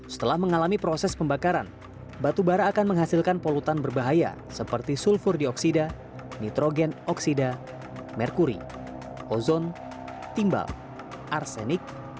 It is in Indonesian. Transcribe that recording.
setelah mengalami proses pembakaran batu bara akan menghasilkan polutan berbahaya seperti sulfur dioksida nitrogen oksida merkuri ozon timbal arsenik